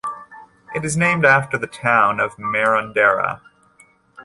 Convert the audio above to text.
It is named after the town of Marondera.